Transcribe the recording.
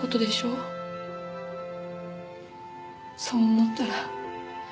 そう思ったら。